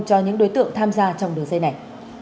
cho những đối tượng tham gia trong đường dây này